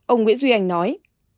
ông nguyễn duy anh nói